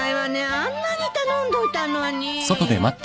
あんなに頼んどいたのに。